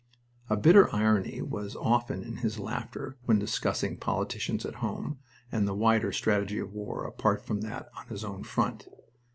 A bitter irony was often in his laughter when discussing politicians at home, and the wider strategy of war apart from that on his own front.